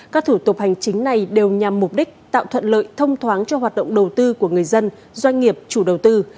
các thủ tục hành chính này đều nhằm mục đích tạo thuận lợi thông thoáng cho hoạt động đầu tư của người dân doanh nghiệp chủ đầu tư